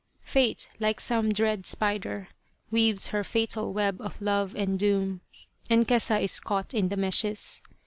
Fate, like some dread spider, weaves her fatal web of love and doom, and Kesa is caught in the meshes.